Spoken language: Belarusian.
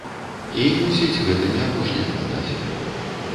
І, мусіць, гэта не апошняя фантазія.